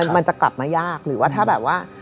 มันจะกลับมายากหรือว่าถ้าแบบว่า